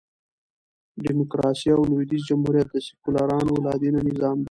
ډيموکراسي او لوېدیځ جمهوریت د سیکولرانو لا دینه نظام دئ.